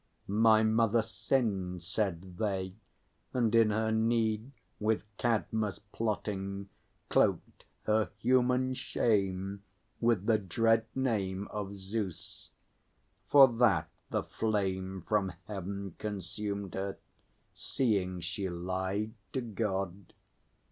My mother sinned, said they; and in her need, With Cadmus plotting, cloaked her human shame With the dread name of Zeus; for that the flame From heaven consumed her, seeing she lied to God.